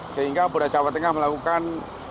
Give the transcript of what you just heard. sehingga polda jawa tengah melakukan